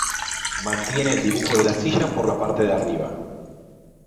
Mantiene el dibujo de la silla por la parte de arriba.